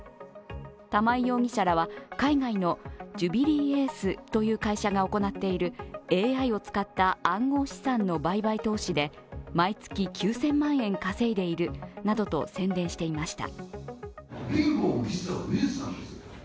玉井容疑者らは海外のジュビリーエースという会社が行っているＡＩを使った暗号資産の売買投資で毎月９０００万円稼いでいるなどと宣伝していました。